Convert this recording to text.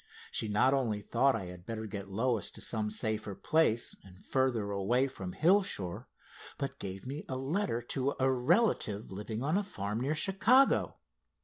She not only thought I had better get Lois to some safer place, and further away from Hillshore, but gave me a letter to a relative living on a farm near Chicago.